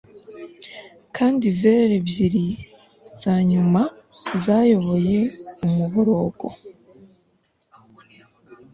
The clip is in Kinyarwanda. Kandi varlet ebyiri zanyuma zayoboye umuborogo